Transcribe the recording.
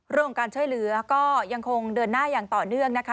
เรื่องของการช่วยเหลือก็ยังคงเดินหน้าอย่างต่อเนื่องนะคะ